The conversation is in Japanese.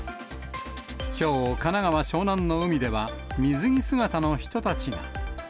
きょう、神奈川・湘南の海では、水着姿の人たちが。